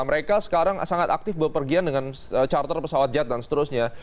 mereka sekarang sangat aktif berpergian dengan charter pesawat jet dan seterusnya